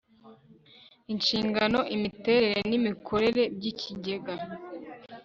inshingano imiterere n imikorere by Ikigega